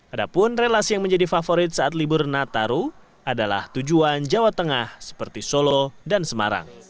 adapun relasi yang menjadi favorit saat libur nataru adalah tujuan jawa tengah seperti solo dan semarang